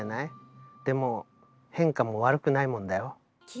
でも変化も悪くないもんだよ。